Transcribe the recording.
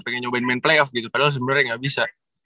pengen nyobain main playoff gitu padahal sebenarnya nggak bisa